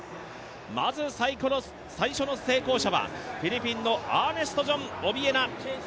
まず最初の成功者はフィリピンのアーネストジョン・オビエナ。